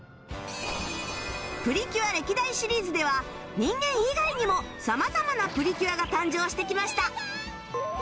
『プリキュア』歴代シリーズでは人間以外にも様々なプリキュアが誕生してきました